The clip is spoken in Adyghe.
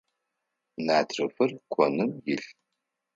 Натрыфыр коным илъ.